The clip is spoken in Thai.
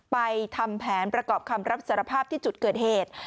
ทำแผนประกอบคำรับสารภาพที่จุดเกิดเหตุ